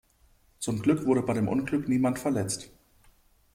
Zum Glück wurde bei dem Unglück niemand verletzt.